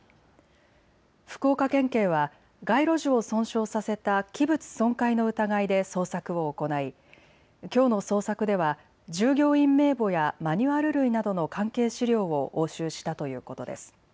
福岡県警は街路樹を損傷させた器物損壊の疑いで捜索を行いきょうの捜索では従業員名簿やマニュアル類などの関係資料を押収したということです。